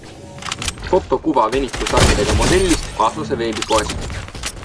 Fotokuva venitusarmidega modellist Asose veebipoes.